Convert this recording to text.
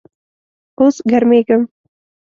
اوس ګرمیږم